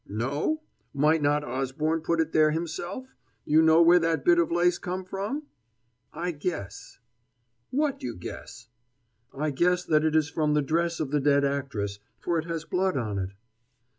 "No? Might not Osborne put it there himself? You know where that bit of lace come from?" "I guess." "What you guess?" "I guess that it is from the dress of the dead actress, for it has blood on it."